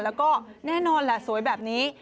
แล้วก็แน่นอนแหละสวยแบบนี้